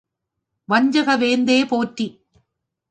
வஞ்சக வேந்தே போற்றி!